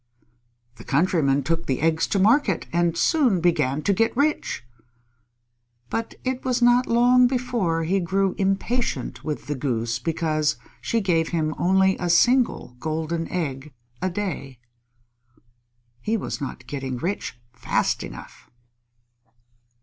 The Countryman took the eggs to market and soon began to get rich. But it was not long before he grew impatient with the Goose because she gave him only a single golden egg a day. He was not getting rich fast enough.